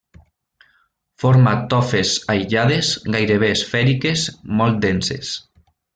Forma tofes aïllades, gairebé esfèriques, molt denses.